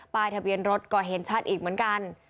ทะเบียนรถก็เห็นชัดอีกเหมือนกัน